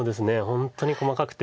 本当に細かくて。